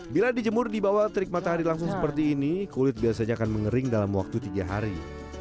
bila dijemur di bawah terik matahari langsung seperti ini kulit biasanya akan mengering dalam waktu tiga hari